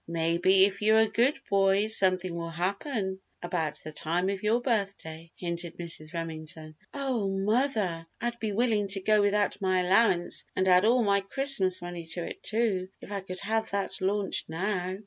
"Maybe, if you're a good boy something will happen about the time of your birthday," hinted Mrs. Remington. "Oh, mother! I'd be willing to go without my allowance and add all my Christmas money to it, too, if I could have that launch now!"